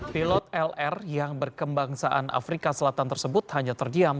pilot lr yang berkembangsaan afrika selatan tersebut hanya terdiam